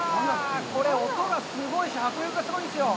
これ、音がすごいし、迫力がすごいんですよ。